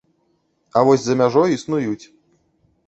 А вось за мяжой існуюць.